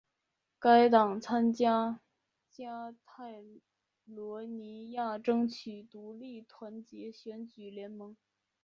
该党参加加泰罗尼亚争取独立团结选举联盟。